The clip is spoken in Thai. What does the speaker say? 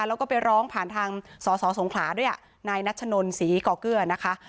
แล้วก็ไปร้องผ่านทางสอสอสงขลาด้วยนายนัชนนศรีก่อเกลือนะคะ